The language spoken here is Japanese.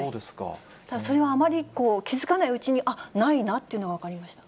ただ、それをあまり気付かないうちに、あっ、ないなっていうのが分かりました。